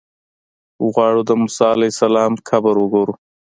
غواړو د موسی علیه السلام قبر وګورو.